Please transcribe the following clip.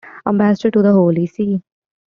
Ambassador to the Holy See.